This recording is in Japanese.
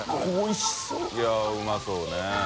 い筺舛うまそうね。